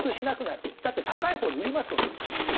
だって高いほうに売りますもんみんな。